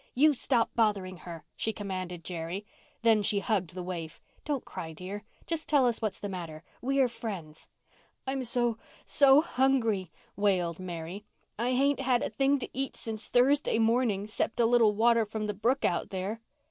"You stop bothering her," she commanded Jerry. Then she hugged the waif. "Don't cry, dear. Just tell us what's the matter. We're friends." "I'm so—so—hungry," wailed Mary. "I—I hain't had a thing to eat since Thursday morning, 'cept a little water from the brook out there."